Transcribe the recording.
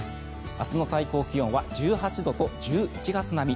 明日の最高気温は１８度と１１月並み。